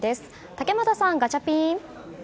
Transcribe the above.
竹俣さん、ガチャピン！